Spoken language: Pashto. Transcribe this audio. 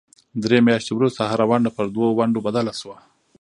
درې میاشتې وروسته هره ونډه پر دوو ونډو بدله شوه.